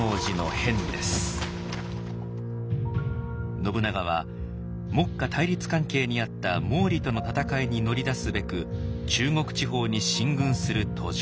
信長は目下対立関係にあった毛利との戦いに乗り出すべく中国地方に進軍する途上。